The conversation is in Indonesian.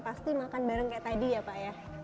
pasti makan bareng kayak tadi ya pak ya